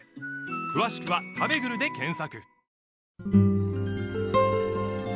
詳しくは「たべぐる」で検索